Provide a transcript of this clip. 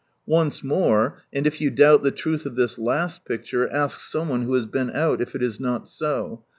Once more, and if you doubt the truth of this last picture, ask some one who has been out, if it is not so.